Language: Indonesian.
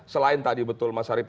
selain tadi betul mas arief